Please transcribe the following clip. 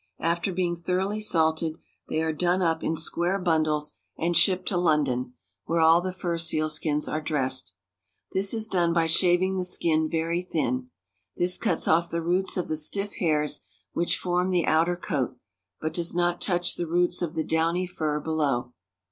After being thoroughly salted, they are done up in square bundles, 306 BRITISH AMERICA. and shipped to London, where all the fur sealskins are dressed. This is done by shaving the skin very thin. This cuts off the roots of the stiff hairs which form the outer coat, but does not touch the roots of the downy fur below.